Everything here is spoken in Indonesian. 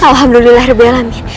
alhamdulillah rebuh ya lamin